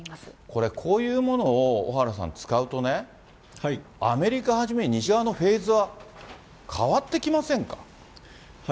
これ、こういうものを小原さん、使うとね、アメリカはじめ、西側のフェーズは、変わってきませんか。